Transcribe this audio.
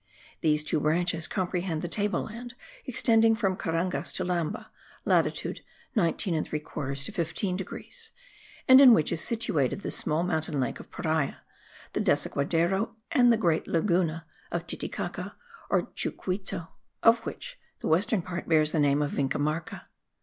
These two branches comprehend the table land extending from Carangas to Lamba (latitude 19 3/4 to 15 degrees) and in which is situated the small mountain lake of Paria, the Desaguadero, and the great Laguna of Titicaca or Chucuito, of which the western part bears the name of Vinamarca.